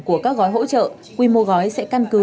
của các gói hỗ trợ quy mô gói sẽ căn cứ